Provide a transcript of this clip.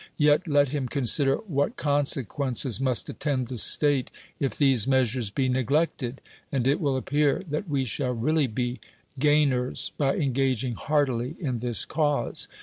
Yet let him consider A\liat consequcuces must THE WORLD'S FAMOUS ORATIONS attend the state if these measures be neglected, and it will appear that "\ve shall really be gain ers by engaging heartily in this cause.